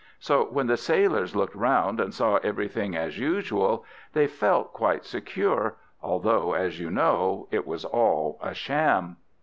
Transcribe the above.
So, when the sailors looked round, and saw everything as usual, they felt quite secure; although, as you know, it was all a sham.